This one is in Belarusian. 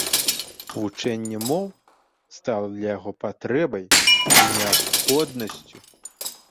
Вывучэнне моў стала для яго патрэбай і неабходнасцю.